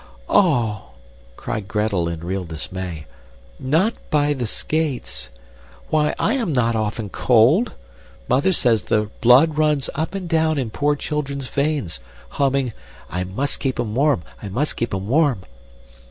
"Oh!" cried Gretel in real dismay, "not buy the skates? Why, I am not often cold! Mother says the blood runs up and down in poor children's veins, humming, 'I must keep 'em warm! I must keep 'em warm.